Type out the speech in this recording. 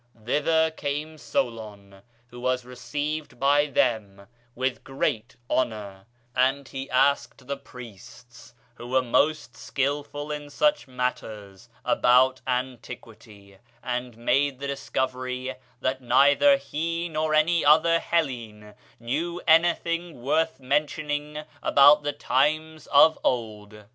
Thither came Solon, who was received by them with great honor; and he asked the priests, who were most skilful in such matters, about antiquity, and made the discovery that neither he nor any other Hellene knew anything worth mentioning about the times of old.